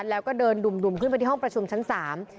แล้วก็เดินดุ่มดุ่มขึ้นไปที่ห้องประชุมชั้นสาม